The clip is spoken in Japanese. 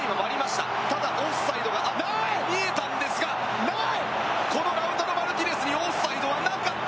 ただ、オフサイドが見えたんですがこのラウンドのマルティネスにオフサイドはなかった。